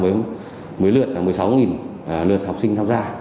với lượt là một mươi sáu lượt học sinh tham gia